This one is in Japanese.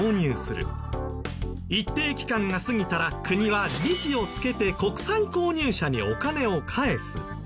一定期間が過ぎたら国は利子を付けて国債購入者にお金を返す。